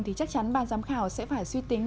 thì chắc chắn ban giám khảo sẽ phải suy tính